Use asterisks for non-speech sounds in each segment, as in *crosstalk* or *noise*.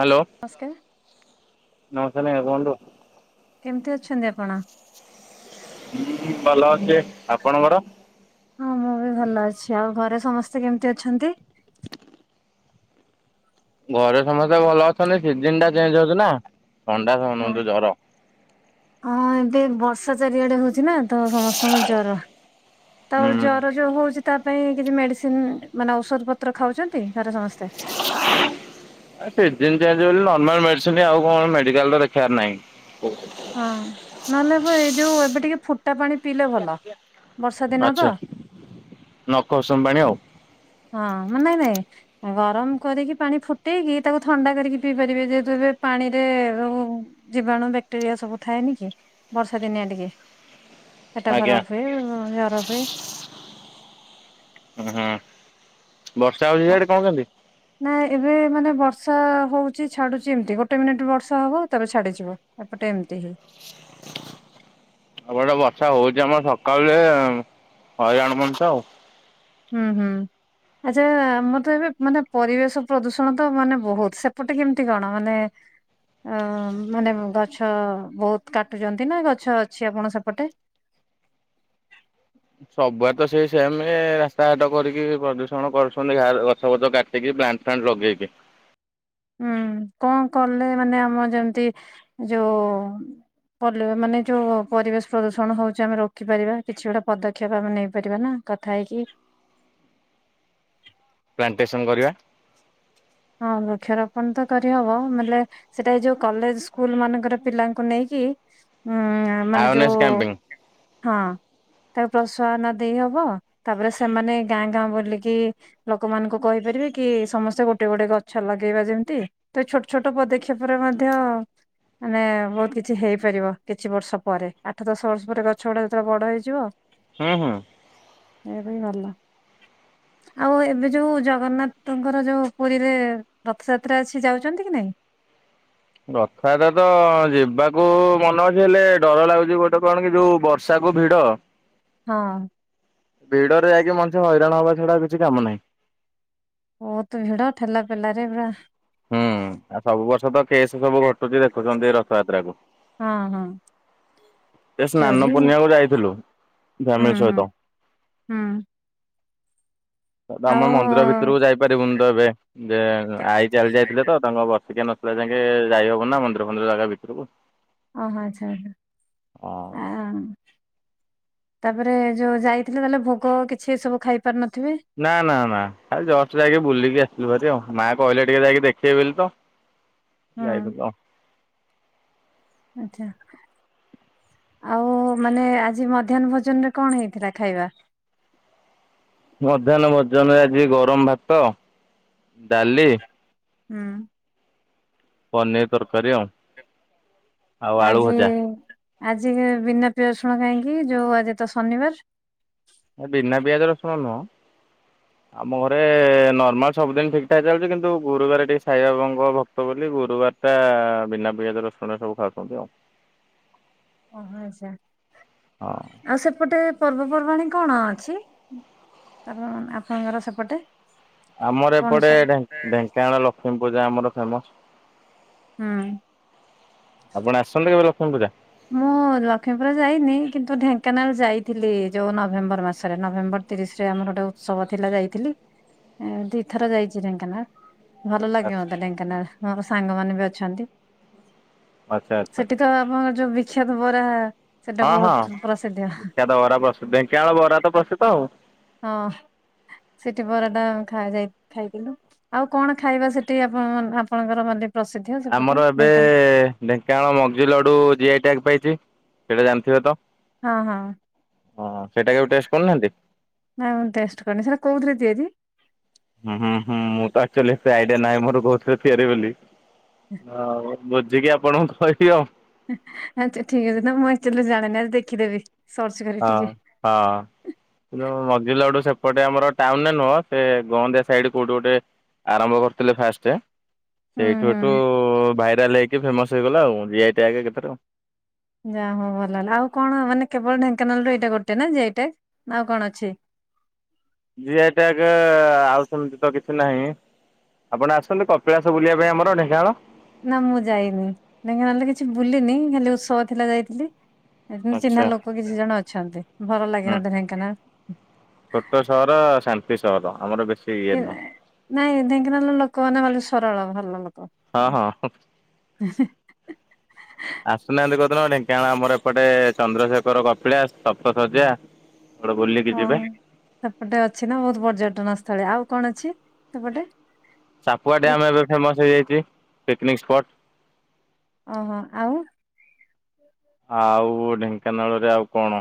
Hello. ନମସ୍କାର ନମସ୍କାର ଆଜ୍ଞା କୁହନ୍ତୁ? କେମିତି ଅଛନ୍ତି ଆପଣ? ହ ଭଲ ଅଛି ଆପଣଙ୍କର ହଁ ମୁଁ ବି ଭଲ ଅଛି ଆଉ ଘରେ ସମସ୍ତେ କେମିତି ଅଛନ୍ତି? ଘରେ ସମସ୍ତେ ଭଲ ଅଛନ୍ତି ସିଜନ ଟା ଚେଞ୍ଜ ହଉଛି ନା ଥଣ୍ଡା ହଁ। ସମସ୍ତଙ୍କୁ ଜର। ହଁ ଏବେ ବର୍ଷା ଚାରିଆଡେ ହଉଛି। ଛିନା ତ ସମସ୍ତଙ୍କୁ ଜର ତ ହୁଁ ଜର ଯୋଉ ହଉଛି ତା ପାଇଁ କିଛି ମେଡିସିନ ମାନେ ଔଷଧ ପତ୍ର ଖାଉଛନ୍ତି ଘରେ ସମସ୍ତେ। *inaudible* ଏ ସିଜିନ୍ ଚେଞ୍ଜ ହେଉଛି ନର୍ମାଲ ମେଡ଼ିସିନ ଆଉ କଣ ମେଡିକାଲରେ ଦେଖେଇବାର ନାଇଁ ଓହୋ। ହଁ ନହେଲେ ଏ ଯଉ ଏବେ ଟିକେ ଫୁଟା ପାଣି ପିଇଲେ ଭଲ ବର୍ଷା ଦିନ ଆଚ୍ଛା ତ। ନଖ ଉଷୁମ୍ ପାଣି ଆଉ। ହଁ ମାନେ ନାଇଁ ଗରମ କରିକି ପାଣି ଫୁଟେଇକି ତାକୁ ଥଣ୍ଡା କରିକି ପିଇ ପାରିବେ ଯେହେତୁ ଏବେ ପାଣିରେ ଉଁ ଉଁ ଜୀବାଣୁ ବ୍ୟାକ୍ଟେରିଆ ସବୁ ଥାଏନି କି ବର୍ଷା ଦିନିଆ ଟିକେ। ପେଟ ଆଜ୍ଞା ଖରାପ ହୁଏ ଜର ହୁଏ। ଓ ହଁ ବର୍ଷା ହଉଛି ସିଆଡ଼େ କଣ କେମତି? ନାହିଁ ଏବେ ମାନେ ବର୍ଷା ହେଉଛି ଛାଡ଼ୁଛି ଏମିତି ଗୋଟେ ମିନିଟ ବର୍ଷା ହେବ ତାପରେ ଛାଡ଼ିଯିବ। ଏପଟେ ଏମିତି ହିଁ। ଏପଟେ ବର୍ଷା ହଉଛି ଆମ ସକାଳୁ ଯେ ହଇରାଣ ମଣିଷ ଆଉ ହୁଁ ହୁଁ। ଆଚ୍ଛା ଆମର ତ ଏବେ ମାନେ ପରିବେଶ ପ୍ରଦୂଷଣ ତ ମାନେ ବହୁତ ସେପଟେ କେମତି କଣ ମାନେ ଅ ମାନେ ମ ଗଛ ବହୁତ କାଟୁଛନ୍ତି ନା ଗଛ ଅଛି ଆପଣଙ୍କ ସେପଟେ? ସବୁଆଡେ ତ ସେଇ ସେମେ ରାସ୍ତାଘାଟ କରିକି ପ୍ରଦୂଷଣ କରୁଛନ୍ତି ଗାଁରେ ଗଛ ବଛ କାଟିକି। ଟିକେ ପ୍ଲାନ୍ ଫ୍ଲାନ୍ ଲଗେଇକି ହୁଁ କଣ କଲେ ମାନେ ଆମ ଯେମିତି ଯୋଉ ପର୍ଲେ ମାନେ ଯୋ ପରିବେଶ ପ୍ରଦୂଷଣ ହଉଚି ଆମେ ରୋକି ପାରିବା କିଛି ଗୋଟେ ପଦକ୍ଷେପ ଆମେ ନେଇପାରିବା ନା। କଥା ହେଇକି ପ୍ଲାଣ୍ଟେସନ୍ କରିଆ। ହଁ ବୃକ୍ଷରୋପଣ ତ କରିହବ ମାଲେ ସେଟା ଏଇ ଯୋଉ କଲେଜ ସ୍କୁଲ ମାନଙ୍କର ପିଲାଙ୍କୁ ନେଇକି ଉଁ ମାନେ ଯୋ ଆୱାରନେସ୍ କ୍ୟାମ୍ପିଙ୍ଗ ହଁ। ତାଙ୍କୁ ପ୍ରୋତ୍ସାହନ ଦେଇ ହବ ତାପରେ ସେମାନେ ଗାଁ ଗାଁ ବୁଲିକି ଲୋକମାନଙ୍କୁ କହିପାରିବେ କି ସମସ୍ତେ ଗୋ ଗୋଟେ ଗୋଟେ ଗଛ ଲଗେଇବା ଯେମିତି ତ ଏ ଛୋଟ ଛୋଟ ପଦକ୍ଷେପରେ ମଧ୍ୟ ମାନେ ବହୁତ୍ କିଛି ହେଇପାରିବ କିଛି ବର୍ଷ ପରେ ଆଠ ଦଶ ବର୍ଷ ପରେ ଗଛ ଗୁଡା ଯେତେଳେ ବଡ ହେଇଯିବ ହୁଁ ହୁଁ। ଏୟା ବି ଭଲ ଆଉ ଏବେ ଯୋଉ ଜଗନ୍ନାଥଙ୍କର ଯୋଉ ପୁରୀରେ ରଥଯାତ୍ରା ଅଛି ଯାଉଚନ୍ତି କି ନାଇଁ? ରଥାଯାତ୍ରା ତ ଯିବାକୁ ମନ ଅଛି ହେଲେ ଡର ଲାଗୁଛି ଗୋଟେ କଣ କି ଯୋଉ ବର୍ଷାକୁ ଭିଡ଼ ହଁ। ଭିଡରେ ଯାଇକି ମଣିଷ ହଇରାଣ ହବା ଛଡା ଆଉ କିଛି କାମ ନାହିଁ। ବହୁତ୍ ଭିଡ ଠେଲା ପେଲାରେ ପୁରା ହୁଁ ଆଉ ସବୁ ବର୍ଷ ତ କେସ୍ ସବୁ ଘଟୁଛି ଦେଖୁଛନ୍ତି ରଥଯାତ୍ରାକୁ। ହଁ ହଁ। ସେ ଚୋରି ସ୍ନାନ ହୁଁ ପୁର୍ଣ୍ଣିଆକୁ ଯାଇଥିଲୁ ହୁଁ ଫ୍ୟାମିଲି ସହିତ। ହୁଁ। *unintelligible* ଆମ ଆଉ ମନ୍ଦିର ଭିତରୁକୁ ଯାଇପାରିବୁନି ତ ଏବେ। ଯେ ଆଇ ଚାଲି ଯାଇଥିଲେ ତ ତାଙ୍କ ବର୍ଷିକିଆ ନସରିଲା ଯାକେ ଯାଇହବନି ନା ମନ୍ଦିର ଫନ୍ଦିର ଜାଗା ଭିତୁରୁକୁ। ଅ ହୋ ଆଚ୍ଛା ଆଛା ହଁ। ଆ ତାପରେ ଯୋ ଯାଇଥିଲେ ତାଲେ ଭୋଗ କିଛି ଏ ସବୁ ଖାଇପାରୁ ନଥିବେ। ନା ନା ନା ଖାଲି ଜଷ୍ଟ ଯାଇକି ବୁଲିକି ଆସିଲୁ ଭାରି ଆଉ ମା କହିଲେ ଟିକେ ଯାଇକି ଦେଖିଏ ବୋଲି ତ। ହୁଁ ଯାଇଥିଲ ଆଚ୍ଛା। ଆଉ ମାନେ ଆଜି ମଧ୍ୟାହ୍ନ ଭୋଜନରେ କଣ ହେଇଥିଲା ଖାଇବା? ମଧ୍ୟାହ୍ନ ଭୋଜନରେ ଆଜି ଗରମ ଭାତ, ଡାଲି ହୁଁ। ପନିର୍ ତରକାରି ଆଉ। ଆଉ ଆଳୁ ଆଜି ଭଜା ଆଜି ବିନା ପ୍ରିୟାଜୁଶୁଣ କାହିଁକି ଯୋଉ ଆଜି ତ ଶନିବାର? ଏ ବିନା ପିଆଜ ରସୁଣ ନହଁ। ଆମ ଘରେ ନର୍ମାଲ୍ ସବୁଦିନ୍ ଠିକ୍ ଠାକ୍ ଚାଲିଛି କିନ୍ତୁ ଗୁରୁବାର ଟିକେ ସାଇବାବାଙ୍କର ଭକ୍ତ ବୋଲି ଗୁରୁବାର ଟା ବିନା ପିଆଜ ରସୁଣ ସବୁ ଖାଉଛନ୍ତି ଆଉ। ଆଚ୍ଛା, ହଁ ଆଉ ସେପଟେ ପର୍ବପର୍ବାଣୀ କଣ ଅଛି? ଆପ ଆପଣଙ୍କର ସେପଟେ? ଆମର କଣ ଏପଟେ ସବୁ ଢେ ଢେଙ୍କାନାଳ ଲକ୍ଷ୍ମୀ ପୂଜା ଆମର ଫେମସ୍ ହୁଁ। ଆପଣ ଆସଛନ୍ତି କେବେ ଲକ୍ଷ୍ମୀ ପୂଜା? *unintelligible* ଲକ୍ଷ୍ମୀପୁର ଯାଇନି କିନ୍ତୁ ଢେଙ୍କାନାଳ ଯାଇଥିଲି ଯୋଉ ନଭେମ୍ବର ମାସରେ ନଭେମ୍ବର ତିରିଶ ରେ ଆମର ଗୋଟେ ଉତ୍ସବ ଥିଲା ଯାଇଥିଲି ଏ ଦି ଥର ଯାଇଛି ଢେଙ୍କାନାଳ। ଭଲ ଲାଗେ ମତେ ଢେଙ୍କାନାଳ ମୋର ସାଙ୍ଗ ମାନେ ବି ଅଛନ୍ତି। ଆଚ୍ଛା ଆଚ୍ଛା। ସେଠି ତ ଆପଣଙ୍କର ଯୋଉ ବିଖ୍ୟାତ ବରା ସେଟା ହଁ ହଁ ବହୁତ ପ୍ରସିଦ୍ଧ ବିଖ୍ୟାତ ତ ବରା ପ୍ରସିଦ୍ଧ ଢେଙ୍କାନାଳ ବରା ତ ପ୍ରସିଦ୍ଧ ଆଉ। ହଁ ସେଠି ବରାଟା ଖାଯାଇ ଖାଇଥିଲୁ। ଆଉ କଣ ଖାଇବା ସେଠି ଆପଣମାନ ଆପଣଙ୍କର ମାନେ ପ୍ରସି ଆମର ଏବେ ଢେଙ୍କାନାଳ ମଗ୍ଜି ଲଡ଼ୁ ଜିଆଇ ଟ୍ୟାଗ ପାଇଛି ସେଇଟା ଜାଣିଥିବେ ତ? ହଁ ହଁ। ହଁ ସେଇଟା କେବେ ଟେଷ୍ଟ କରିନାହାଁନ୍ତି? ନା ମୁଁ ଟେଷ୍ଟ କରିନି ସେଟା କଉଥିରେ ତିଆରି? ହୁଁ ହୁଁ ହୁଁ ମୁଁ ତ ଆକ୍ଚୁଲି ସେ ଆଇଡିଆ ନାହିଁ ମୋର କଉଥିରେ ତିଆରି ବୋଲି ଆଉ ବୁଝିକି ଆପଣଙ୍କୁ କହିବି ଆଉ। ଆଚ୍ଛା ଠିକ ଅଛି ନା ମୁଁ ଆକ୍ଚୁଆଲି ଜାଣିନି ଆଜି ଦେଖି ଦେବି। ହଁ ହଁ। ଯଉ ମଝିଲଡୁ ସେପଟେ ଆମର ଟାଉନ ରେ ନୁହଁ ସେ ଗନ୍ଦିଆ ସାଇଡ କୋଉଠି ଗୋଟେ ଆରମ୍ଭ କରିଥିଲେ ଫାଷ୍ଟେ। ହୁଁ ସେଇଠୁ ହୁଁ। ଏଠୁ ଭାଇରାଲ ହେଇକି ଫେମସ ହେଇଗଲା ଆଉ ଜିଆଇ ଟ୍ୟାଗ ଏକାଥରେ ଆଉ। ଯା ହଉ ଭଲ ହେଲା ଆଉ କଣ ମାନେ କେବଳ ଢେଙ୍କାନାଳରୁୁ ଏଇଟା ଗୋଟେ ନା ଜିଆଇ ଟ୍ୟାଗ ନାଁ ଆଉ କଣ ଅଛି? ଜିଆଇ ଟ୍ୟାଗେ ଆଉ ସେମିତି ତ କିଛି ନାହିଁ। ଆପଣ ଆସନ୍ତୁ କପିଳାସ ବୁଲିବା ପାଇଁ ଆମର ଢେଙ୍କାନାଳ। ନା ମୁଁ ଯାଇନି ଢେଙ୍କାନାଳରେ କିଛି ବୁଲିିନି ଖାଲି ଉତ୍ସବ ଥିଲା ଯାଇଥିଲି। ଏ ଚିହ୍ନା ଆଚ୍ଛା ଲୋକ କିଛି ଜଣ ଅଛନ୍ତି ଭଲ ଲାଗେ ହୁଁ। ମତେ ଢେଙ୍କାନାଳ। ଛୋଟ ସହର ଶାନ୍ତି ସହର ଆମର ବେସ କି ନାଇଁ ନାଇଁ ଢେଙ୍କାନାଳ ଲୋକମାନେ ଭଲ ସରଳ ଭଲ ଲୋ ହଁ ହଁ ହୁଁ। ଆସୁନାହାଁନ୍ତି କଉଦିନ ଢେଙ୍କାନାଳ ଆମର ଏପଟେ ଚନ୍ଦ୍ରଶେଖର କପିଳାସ ସପ୍ତଶଯ୍ୟା। ହଁ ସେପଟେ ଅଛି ନା ବହୁତ ପର୍ଯ୍ୟଟନ ସ୍ଥଳୀ ଆଉ କଣ ଅଛି ସେପଟେ? ସାପୁଆ ଡ଼୍ୟାମ ଦେଖି ଏବେ ଫେମସ୍ ହେଇଯାଇଛି ପିକ୍ନିକ ସ୍ପଟ୍। ଓହୋ ଆଉ? ଆଉ ଢେଙ୍କାନାଳରେ ଆଉ କଣ?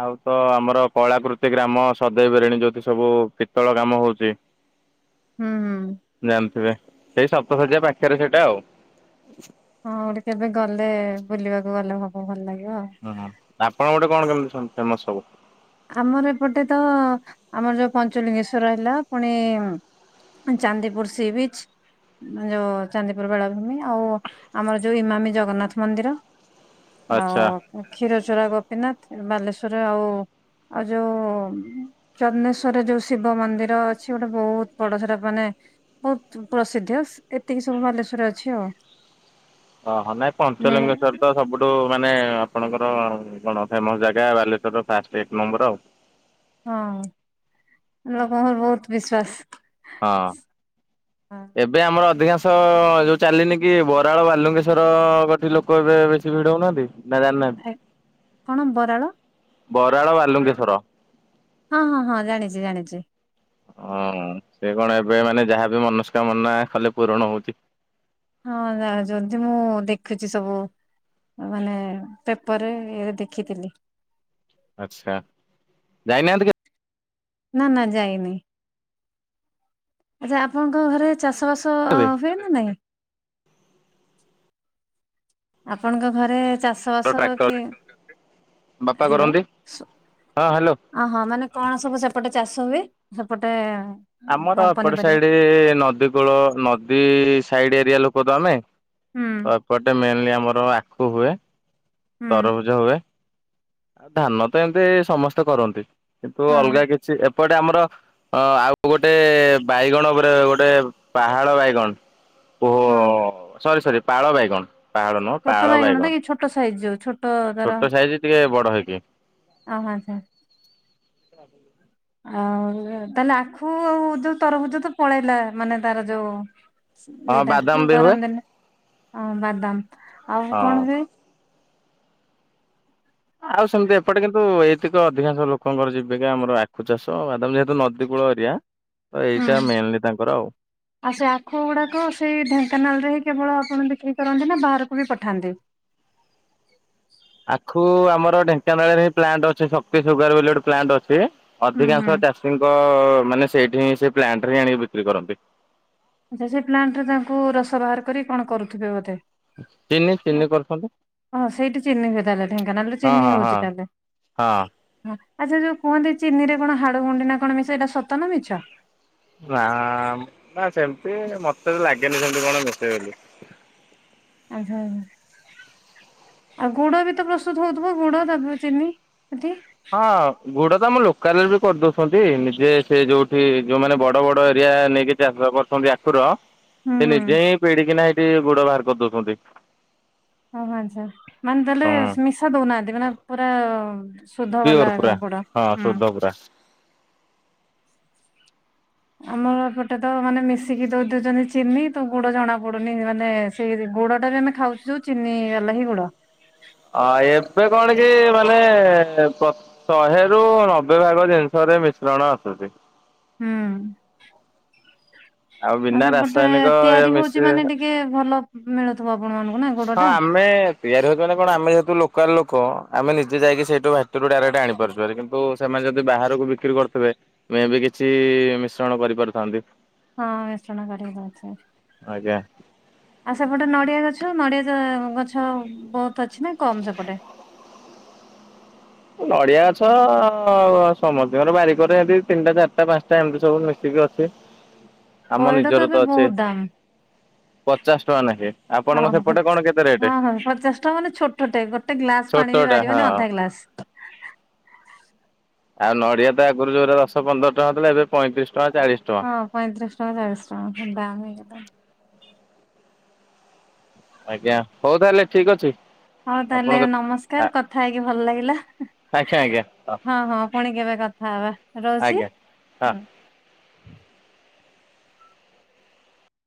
ଆଉ ତ ଆମର କଳାକୃତି ଗ୍ରାମ ସଦୈବରିଣୀ ଯେଉଁଠି ସବୁ ପିତ୍ତଳ କାମ ହେଉଛି। *inaudible* ହୁଁ ହୁଁ। ଜାଣିଥିବେ ସେଇ ସପ୍ତଶଜ୍ୟା ପାଖେରେ ସେଇଟା ଆଉ। ହଁ ଗୋଟେ କେବେ ଗଲେ ବୁଲିବାକୁ ଗଲେ ହବ ଭଲ ଲାଗିବ ଆଉ। ହୁଁ ହୁଁ ଆପଣଙ୍କ ଗୋଟେ କଣ କେମିତି ସମ ଫେମସ ସବୁ? ଆମର ଏପଟେ ତ ଆମର ଯୋଉ ପଞ୍ଚଲିଙ୍ଗେଶ୍ଵର ହେଲା ପୁଣି ଉଁ ଚାନ୍ଦିପୁର ସି ବିଚ୍। ଯୋଉ ଚାନ୍ଦିପୁରୁ ବେଳାଭୂମି ଆଉ ଆମର ଯୋଉ ଇମାମି ଜଗନ୍ନାଥ ମନ୍ଦିର। ଆଉ ଆଚ୍ଛା। ଅ କ୍ଷୀରଚୋରା ଗୋପୀନାଥ ବାଲେଶ୍ଵର ଆଉ ଆଉ ଯୋଉ ଉଁ ଚନ୍ଦନେଶ୍ୱରରେ ଯୋଉ ଶିବ ମନ୍ଦିର ଅଛି ଗୋଟେ ବହୁତ ବଡ ସେଟା ମାନେ ବହୁତ୍ ପ୍ରସିଦ୍ଧ ସ ଏତିକି ସବୁ ବାଲେଶ୍ଵରେ ଅଛି ଆଉ। ଅ ହ ନାଇଁ ନୀଳ ପଞ୍ଚଲିଙ୍ଗେଶ୍ୱର ତ ସବୁଠୁ ମାନେ ଆପଣଙ୍କର କଣ ଫେମସ ଜାଗା ବାଲେଶ୍ଵରର ଫାଷ୍ଟେ ଏକ ନମ୍ବର ଆଉ। ହଁ ଲୋକଙ୍କର ବହୁତୁ ବିଶ୍ଵାସ। ହଁ। ହଁ। ଏବେ ଆମର ଅଧିକାଂଶ ଅ ଅ ଅ ଯୋଉ ଚାଲିନି କି ବରାଳ ବାଲୁଙ୍ଗେଶ୍ୱର ଅ ଅ କଠି ଲୋକ ଏବେ ବେଶୀ ଭିଡ଼ ହଉନାହାନ୍ତି? ନା ଜାଣିନାହାନ୍ତି ଏ କଣ ବରାଳ ବରାଳ ବାଲୁଙ୍ଗେଶ୍ଵର। ହଁ ହଁ ହଁ ଜାଣିଚି ଜାଣିଚି। ହଁ ସେ କଣ ଏବେ ମାନେ ଯାହାବି ମନସ୍କାମନା କଲେ ପୂରଣ ହଉଚି। ହଁ ଜାଣିଚନ୍ତି ମୁଁ ଉ ଉ ଦେଖୁଚି ସବୁ। ମାନେ ପେପରେ ଇଏରେ ଦେଖିଥିଲି। ଆଚ୍ଛା ଯାଇନାହାନ୍ତି କେ ନା ନା ଯାଇନି। ଆଚ୍ଛା ଆପଣଙ୍କ ଘରେ ଚାଷବାସ ଅ କେବେ ଅ ହୁଏ ନା ନାଇଁ? ଆପଣଙ୍କ ଘରେ ଚାଷ ଚାଷ ବାସ ର ଟ୍ରାକ୍ଟର କିଏ ବାପା ହାଲୋ କରନ୍ତି ହଁ ହ୍ୟାଲୋ। ଅଁ ହ ମାନେ କଣ ସବୁ ସେପଟେ ଚାଷ ହୁଏ ସେପଟେ ଏ ଏ? ଆମର ଏପଟ ସାଇଡ଼ି ଇ ଇ ଇ ନଦୀ କୂଳ ନଦୀ ଇ ଇ ସାଇଡ଼ି ଏରିଆ ଲୋକତ ଆମେ ହୁଁ ତ ଏପଟେ ମେନଲି ଆମର ଆଖୁ ହୁଏ ହୁଁ ତରଭୁଜ ହୁଏ ଆଉ ଧାନ ତ ଏମତି ସମସ୍ତେ କରନ୍ତି କିନ୍ତୁ ହଁ ଅଲଗା କିଛି ଏପଟେ ଆମର ହଁ ଆଉ ଗୋଟେ ଏ ଏ ଏ ବାଇଗଣ ଉପରେ ଗୋଟେ ପାହାଳ ବାଇଗଣ ପୋ ଅ ହଁ ଅ ସରି ସରି ପାଳ ବାଇଗଣ। ପାହାଳ ନୁହଁ ପାଳ ଛୋଟ ବାଇଗଣ ଟାକି ଛୋଟ ସାଇଜ ଯୋଉ ଛୋଟ ଛୋଟ ସାଇଜି ଟିକେ ବଡ଼ ହେଇକି। ଅ ହାଁ ଚ୍ଛା। ଆଉ ତାହେଲେ ଆଖୁ ଆଉ ଯୋଉ ତରଭୁଜ ତ ପଳେଇଲା ମାନେ ତାର ଯୋଉ ହଁ ଇଏଟା ବାଦାମ ତ ବି ହୁଏ ଗରମ ଦିନେ ଆଉ ବାଦାମ ଆଉ ହଁ କଣ ହୁଏ? ଆଉ ସେମତି ଏପଟେ କିନ୍ତୁ ଏଇଠିତ ଅଧିକାଂଶ ଲୋକଙ୍କର ଜୀବିକା ଆମର ଆଖୁ ଚାଷ ବାଦାମ ଯେହେତୁ ନଦ ନଦୀକୂଳ ଏରିଆ ତ ହୁଁ। ଏଇଟା ମେନଲି ତାଙ୍କର ଆଉ। ଆଉ ସେ ଆଖୁ ଗୁଡ଼ାକ ସେଇ ଢ଼େଙ୍କାନାଳରେ ହି କେବଳ ଆପଣ ବିକ୍ରି କରନ୍ତି ନା ବାହାରକୁ ବି ପଠାନ୍ତି? ଆଖୁ ଆମର ଢେଙ୍କାନାଳେରେ ହିଁ ପ୍ଲାଣ୍ଟ ଅଛି ଶକ୍ତି ସୁଗାରୁ ବୋଲି ଗୋଟେ ପ୍ଲାଣ୍ଟ ଅଛି ହୁଁ ହୁଁ। ଅଧିକାଂଶ ଚାଷୀଙ୍କ ଅ ଅ ମାନେ ସେଇଠିଁ ସେ ପ୍ଲାଣ୍ଟରେ ହିଁ ଆଣିକି ବିକ୍ରି କରନ୍ତି। ଆଚ୍ଛା ସେ ପ୍ଲାଣ୍ଟରେ ତାଙ୍କୁ ରସ ବାହାର କରି କଣ କରୁଥିବେ ବୋଧେ। ଚିନି ଚିନି କରୁଛନ୍ତି ହଁ ସେଇଠି ଚିନି ହୁଏ ତାହେଲେ ଢ଼େଙ୍କାନାଳରେ ହଁ ଚିନି ହଁ ହଁ ହଉଚି ତାହେଲେ। ହଁ। ହଁ ଆଚ୍ଛା ଯୋଉ କୁହନ୍ତି ଚିନିରେ କଣ ହାଡଗୁଣ୍ଡି ନା କଣ ମିଶେ ଏଇଟା ସତ ନା ମିଛ? ନା ଆ ଆ ଆ ମ୍ ନା ସେମତି ମତେ ଲାଗେନି ସେମତି କଣ ମିଶେ ବୋଲି। *unintelligible* ଆଉ ଗୁଡ଼ ବି ତ ପ୍ରସ୍ତୁତ୍ ହଉଥୁବ ଗୁଡ଼ ତାପରେ ଚିନି ହେଠି? ହଁ ଗୁଡ଼ ତ ଆମ ଲୋକାଲରେ ବି କରିଦଉଛନ୍ତି ନିଜେ ସେ ଯୋଉଠି ଯୋଉମାନେ ବଡ଼ ବଡ଼ ଏରିଆ ନେଇକି ଚାଷ କରୁଚନ୍ତି ଆଖୁର ହୁଁ ସେ ହୁଁ। ନିଜେ ହିଁ ବିଡ଼ିକିନା ହେଇଠି ଗୁଡ଼ ବାହାର କରିଦଉଚନ୍ତି। ଓହୋ ଆଁଚ୍ଛା ମାନେ ତାହାଲେ ମିଶା ଦଉନାହାନ୍ତି ମାନେ ପୁରା ଅ ଅ ଶୁଦ୍ଧ ପିଓର ବାଲା ଗ ପୁରା ଗୁଡ଼ ହଁ ହୁଁ। ଶୁଦ୍ଧ ପୁରା ଆମର ଏପଟେ ତ ମାନେ ମିଶିକି ଦ ଦଉଛନ୍ତି ଚିନି ତ ଗୁଡ ଜଣାପଡୁନି ମାନେ ସେଇ ଗୁଡଟା ବି ଆମେ ଖାଉଛୁ ଯୋଉ ଚିନି ହେଲା ହି ଗୁଡ। ହଁ ଏବେ କଣ କି ମାନେ ପ ଶହେରୁୁ ନବେ ଭାଗ ଜିନିଷରେ ମିଶ୍ରଣ ଆସୁଛି। ହୁଁ ଆଉ ଆ ବିନା ସେ ଗୋଟେ ରାସାୟନିକ ଇଏ ତିଆରି ହଉଛି ମିଶି ମାନେ ଟିକେ କେ ଭଲ। ମିଳୁଥିବ ଆପଣମାନଙ୍କୁ ନା। ଗୁଡ ହଁ ଟା। ଆମେ ତିଆରି ହଉଛି ମାନେ କଣ ଆମେ ଯେହେତୁ ଲୋକାଲ ଲୋକ ଆମେ ନିଜେ ଯାଇକ ସେଇଠୁ ଭାଟିରୁ ଡାଇରେକ୍ଟ ଆଣିପାରୁଛେ କିନ୍ତୁ ସେମାନେ ଯଦି ବାହାରକୁ ବିକ୍ରି କରୁଥିବେ ମେ ବି କିଛି ମିଶ୍ରଣ କରିପାରୁଥାନ୍ତି। ହଁ ମିଶ୍ରଣ ଆଜ୍ଞା। କରିପାରୁଥିବେ। ଆଉ ସେପଟେ ନଡ଼ିଆ ଗଛ ନଡ଼ିଆ ଗଛ ବହୁତ ଅଛି ନା କମ ସେପଟେ। ନଡିଆ ଗଛ ସମସ୍ତଙ୍କର ବାରିକରେ ଏମିତି ତିନିଟା, ଚାରିଟା, ପାଞ୍ଚଟା ଏମିତି ସବୁ ମିଶିକି ଅଛି। ଆମ ପଇଡ ନିଜର ଏବେ ତ ଅଛି। ବହୁତ ଦାମ ପଚାଶ ଟଙ୍କା ନେଖେ ହଁ ଆପଣଙ୍କ ସେପଟେ କଣ କେତେ ରେଟ? ଟେ ଗୋଟେ ଗ୍ଲାସ ପାଣି ବି ବାହାରିବନି ଅଧା ଗ୍ଲାସ। ଆଉ ନଡ଼ିଆ ଆଗରୁ ଯୋଉଟରେ ଦଶ ପନ୍ଦର ଟଙ୍କା ଥିଲା ଏବେ ପଇଁତିରିଶ ଟଙ୍କା ଚାଳିଶ ଟଙ୍କା। ହଁ ପଇଁତିରିଶ ଟଙ୍କା ଚାଳିଶ ଟଙ୍କା ଦାମ ହେଇଗଲା। ଆଜ୍ଞା ହଉ ତାହେଲେ ଠିକ ଅଛି। ହଉ ତାହେଲେ ଆପଣଙ୍କ ଆ ନମସ୍କାର କଥା ହେଇକି ଭଲ ଲାଗିଲା। ଆଜ୍ଞା ଆଜ୍ଞା ହଁ ହଁ ପୁଣି କେବେ କଥା ହବା ଆଜ୍ଞା ରହୁଛି। ହଁ। ହୁଁ।